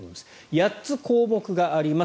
８つ項目があります。